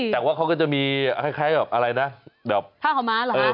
แต่ว่าเขาก็จะมีคล้ายแบบอะไรนะแบบผ้าขาวม้าเหรอ